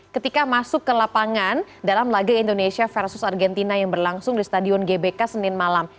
ketika masuk ke lapangan dalam laga indonesia versus argentina yang berlangsung di stadion gbk senin malam